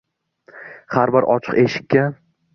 Har bir ochiq eshikka